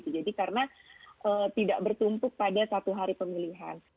jadi karena tidak bertumpuk pada satu hari pemilihan